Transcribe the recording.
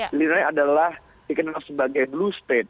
sebenarnya adalah dikenal sebagai blue state